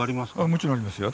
もちろんありますよ。